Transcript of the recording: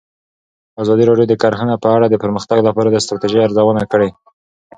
ازادي راډیو د کرهنه په اړه د پرمختګ لپاره د ستراتیژۍ ارزونه کړې.